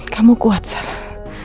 kamu kuat sarah